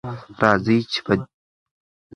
راځئ چې په دې لاره کې ثابت پاتې شو.